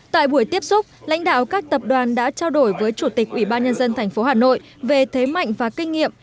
tại buổi tiếp xúc lãnh đạo các tập đoàn đã trao đổi với chủ tịch ubnd tp hà nội về thế mạnh và kinh nghiệm